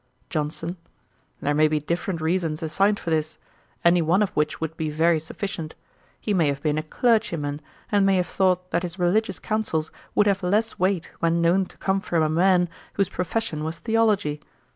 JOHNSON. 'There may be different reasons assigned for this, any one of which would be very sufficient. He may have been a clergyman, and may have thought that his religious counsels would have less weight when known to come from a man whose profession was Theology.